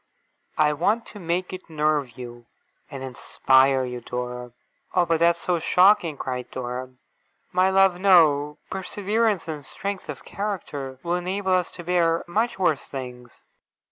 I want to make it nerve you, and inspire you, Dora!' 'Oh, but that's so shocking!' cried Dora. 'My love, no. Perseverance and strength of character will enable us to bear much worse things.